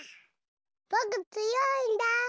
ぼくつよいんだ！